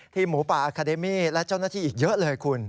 ที่หมูป่าอาร์แคเดมิและเจ้าหน้าที่อีกเยอะเลยครับคุณ